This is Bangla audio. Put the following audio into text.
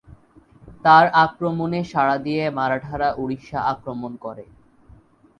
তার আমন্ত্রণে সাড়া দিয়ে মারাঠারা উড়িষ্যা আক্রমণ করে।